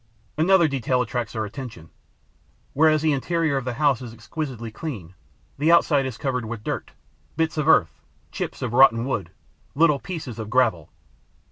Another detail attracts our attention: whereas the interior of the house is exquisitely clean, the outside is covered with dirt, bits of earth, chips of rotten wood, little pieces of gravel.